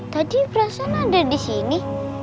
tadi perasaan ada di sini